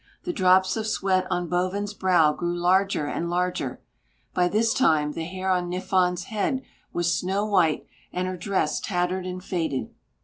The drops of sweat on Bovin's brow grew larger and larger. By this time, the hair on Niffon's head was snow white and her dress tattered and faded.